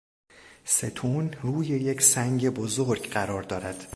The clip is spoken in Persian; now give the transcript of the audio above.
ستون روی یک سنگ بزرگ قرار دارد.